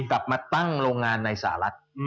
กลับมาตั้งโรงงานในสหรัฐ